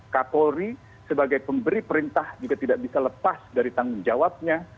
kapolri sebagai pemberi perintah juga tidak bisa lepas dari tanggung jawabnya